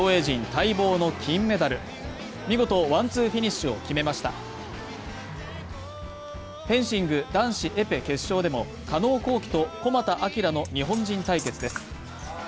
待望の金メダル見事ワンツーフィニッシュを決めましたフェンシング男子エペ決勝でも加納虹輝と古俣聖の日本人対決です